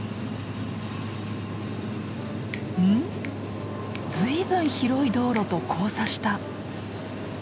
随分広い道路と交差した。